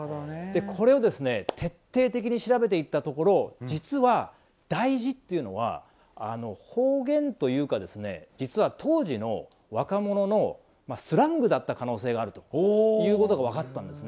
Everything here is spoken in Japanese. これを徹底的に調べていったところ、実は「だいじ」というのは方言というか実は当時の若者のスラングだった可能性があるということが分かったんです。